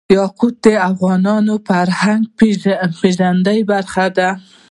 یاقوت د افغانانو د فرهنګي پیژندنې برخه ده.